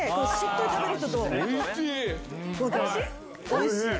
おいしい！